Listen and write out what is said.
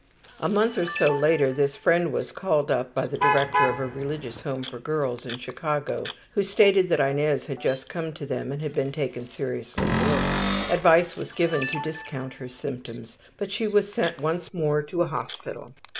'' A month or so later this friend was called up by the director of a religious home for girls in Chicago, who stated that Inez had just come to them and had been taken seriously ill. Advice was given to discount her symptoms, but she was sent once more to a hospital.